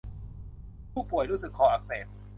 ผู้ป่วยรู้สึกคออักเสบ